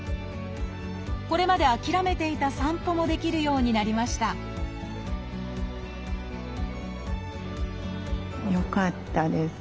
これまで諦めていた散歩もできるようになりましたよかったです。